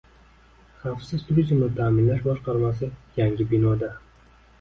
Xavfsiz turizmni ta’minlash boshqarmasi yangi binoda